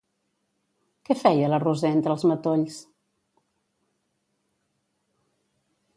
Què feia la Roser entre els matolls?